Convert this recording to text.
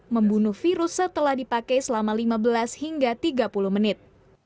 membunuh virus setelah dipakai selama lima belas hingga tiga puluh menit